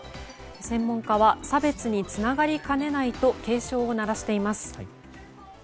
専門家は差別につながりかねないと警鐘を鳴らしています。